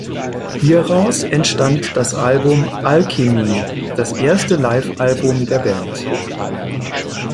Hieraus entstand das Album "Alchemy", das erste Livealbum der Band.